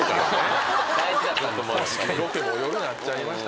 ロケも夜になっちゃいました。